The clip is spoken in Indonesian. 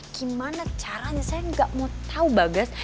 gimana caranya saya nggak mau tahu bagas